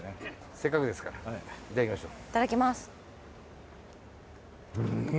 せっかくですからいただきましょう。